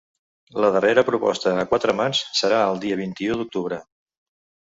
La darrera proposta a quatre mans serà el dia vint-i-u d’octubre.